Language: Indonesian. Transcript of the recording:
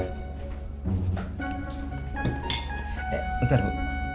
eh sebentar bu